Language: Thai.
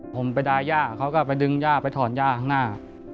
ผมไปดาย่าเขาก็จะไปดึงถ่อนย่าหน้า